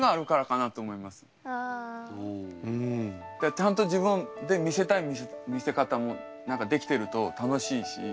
ちゃんと自分で見せたい見せ方もできてると楽しいし。